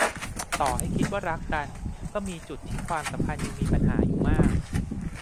ต่อให้คิดว่ารักกันก็มีจุดที่ความสัมพันธ์ยังมีปัญหาอยู่มาก